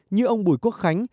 như ông bùi quốc khánh